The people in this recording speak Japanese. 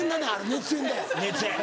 熱演。